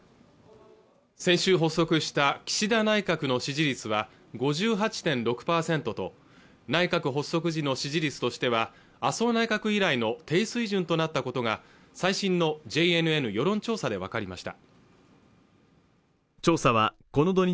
先週発足した岸田内閣の支持率は５８．６％と内閣発足時の支持率としては麻生内閣以来の低水準となったことが最新のＪＮＮ世論調査でわかりました